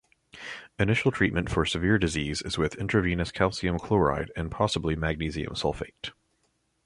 Initial treatment for severe disease is with intravenous calcium chloride and possibly magnesium sulfate.